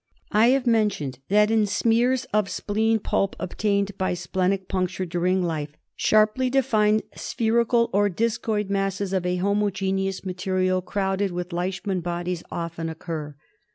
\ I have mentioned that in smears of spleen pulp obtained by splenic puncture during life sharply defined 142 KALA AZAR. spherical or discoid masses of a homogeneous material crowded with Leishman bodies often occur.